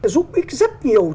giúp ích rất nhiều